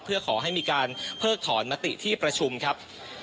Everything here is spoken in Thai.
เพื่อขอให้มีการเพิกถอนมติที่ประชุมครับ